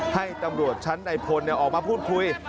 ให้ตำรวจชั้นในพลออกมาพูดคุย